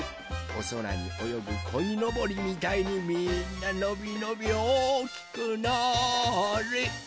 おそらにおよぐこいのぼりみたいにみんなのびのびおおきくなあれ。